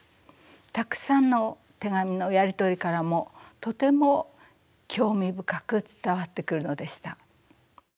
たくさんの手紙のやり取りからもとても興味深く伝わってくるのでした。